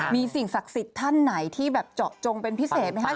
มีสิ่งศักดิ์สิทธิ์ท่านไหนที่แบบเจาะจงเป็นพิเศษไหมครับ